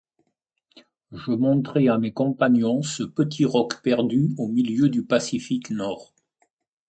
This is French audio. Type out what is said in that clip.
Je montrai à mes compagnons ce petit roc perdu au milieu du Pacifique nord.